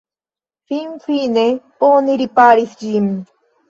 Finfine oni riparis ĝin.